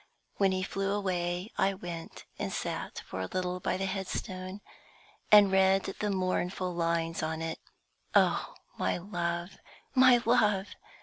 When he flew away I went and sat for a little by the headstone, and read the mournful lines on it. Oh, my love! my love!